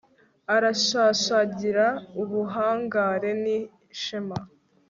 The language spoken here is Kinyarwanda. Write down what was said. arashashagira ubuhangare n'ishema